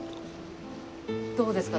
どうですか？